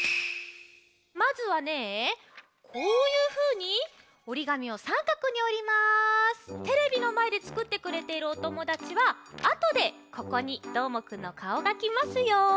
まずはねこういうふうにテレビのまえでつくってくれているおともだちはあとでここにどーもくんのかおがきますよ。